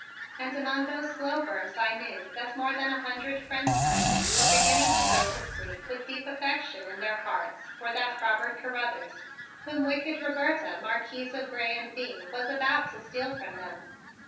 And among those glowworms I knew that more than a hundred friends to me were beginning to go into sleep with deep affection in their hearts for that Robert Carruthers whom wicked Roberta, Marquise of Grez and Bye, was about to steal from them.